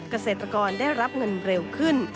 เกษตรกรได้รับเงินเร็วขึ้น